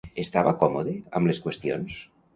Estava còmode amb les qüestions?